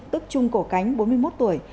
tức trung cổ cánh bốn mươi một tuổi